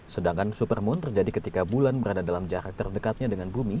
sedangkan supermoon terjadi ketika bulan berada dalam jarak terdekatnya dengan bumi